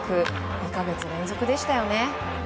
２か月連続でしたよね。